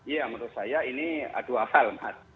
ya menurut saya ini dua hal mas